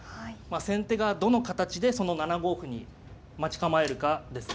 先手がどの形でその７五歩に待ち構えるかですね。